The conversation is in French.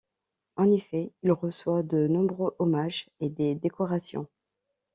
En effet, il reçoit de nombreux hommages et des décorations.